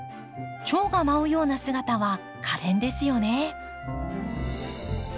チョウが舞うような姿はかれんですよね。